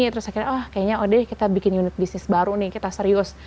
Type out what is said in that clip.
terus akhirnya oh kayaknya udah kita bikin unit bisnis baru nih kita serius